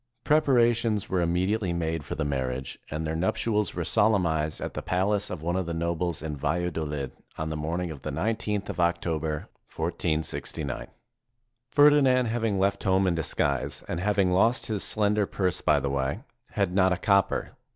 Prepara tions were immediately made for the marriage, and their nuptials were solemnized at the palace of one of the nobles in Valladolid, on the morning of the 19th of Octo ber, 1469. Ferdinand, having left home in disguise, and having lost his slender purse by the way, had not a copper.